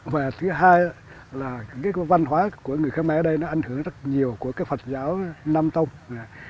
và thứ hai là văn hóa của người khmer ở đây nó ảnh hưởng rất nhiều của phật giáo nam tông